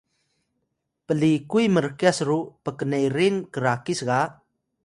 p’likuy mrkyas ru pknerin krakis ga